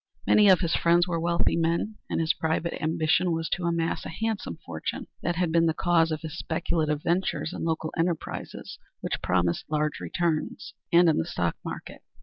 Many of his friends were wealthy men, and his private ambition was to amass a handsome fortune. That had been the cause of his speculative ventures in local enterprises which promised large returns, and in the stock market.